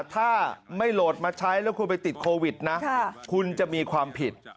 ถ้าไม่โหลดมาใช้แล้วคุณไปติดโควิดนะคุณจะมีความผิด